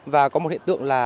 và có một hiện tượng là